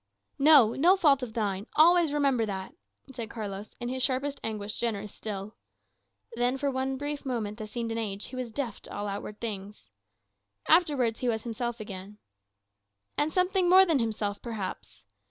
"No no fault of thine. Always remember that," said Carlos, in his sharpest anguish generous still. Then for one brief moment, that seemed an age, he was deaf to all outward things. Afterwards he was himself again. And something more than himself perhaps.